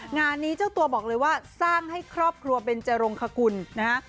งานนี้เจ้าตัวบอกเลยว่าสร้างให้ครอบครัวเบนจรงคกุลนะฮะ